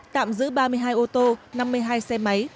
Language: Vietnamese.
tạm giữ ba mươi hai ô tô năm mươi hai xe máy